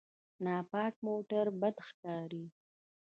ناپاک موټر بد ښکاري.